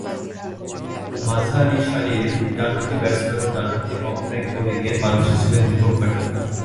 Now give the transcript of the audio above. মাঝারিসারির ডানহাতি ব্যাটসম্যান ও ডানহাতি অফ ব্রেক বোলিংয়ে পারদর্শী ছিলেন দীপক প্যাটেল।